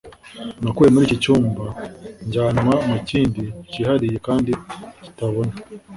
nakuwe muri iki cyumba njyanwa mu kindi cyihariye kandi kitabona